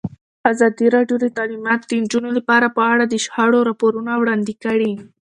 ازادي راډیو د تعلیمات د نجونو لپاره په اړه د شخړو راپورونه وړاندې کړي.